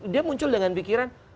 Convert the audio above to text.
dia muncul dengan pikiran